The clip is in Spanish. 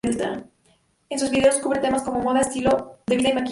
En sus vídeos cubre temas como moda, estilo de vida y maquillaje.